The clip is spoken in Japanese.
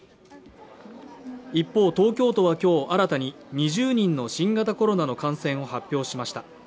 一方、東京都は今日新たに２０人の新型コロナの感染を発表しました。